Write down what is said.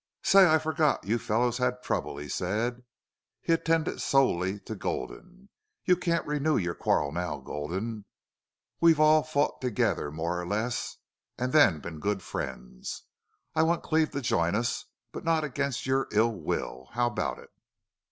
"Say, I forgot you fellows had trouble," he said. He attended solely to Gulden. "You can't renew your quarrel now. Gulden, we've all fought together more or less, and then been good friends. I want Cleve to join us, but not against your ill will. How about it?"